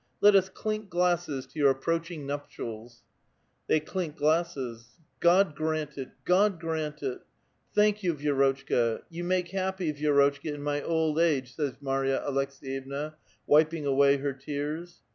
Let us clink glasses ' to your approaching nuptials !'" They clink glasses. "God grant it! God grant it! [dai Bog! daX Bog!^ Thank you, Vi6rotchka ; you make happy, Vi^rotchka, in my old age," says Marya Aleks^yevna, wiping away her tears.